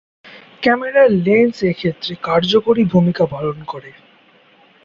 ক্যামেরার লেন্স এক্ষেত্রে কার্যকরী ভূমিকা পালন করে।